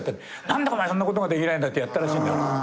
何でお前そんなことができないんだってやったらしいんだよ。